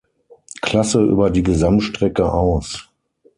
Klasse über die Gesamtstrecke aus.